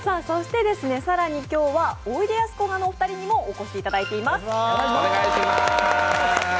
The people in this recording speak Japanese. そして更に今日はおいでやすこがのお二人にもお越しいただいています。